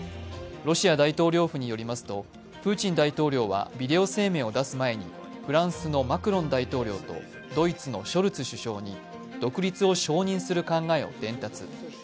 ロシア大統領府によりますとプーチン大統領はビデオ声明を出す前にフランスのマクロン大統領とドイツのショルツ首相に独立を承認する考えを伝達。